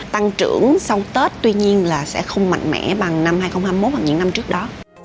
tăng trưởng sau tết tuy nhiên là sẽ không mạnh mẽ bằng năm hai nghìn hai mươi một hoặc những năm trước đó